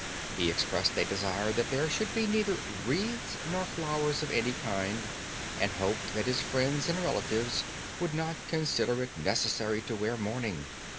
He expressed a desire that there should be neither wreaths nor flowers of any kind, and hoped that his friends and relatives would not consider it necessary to wear mourning.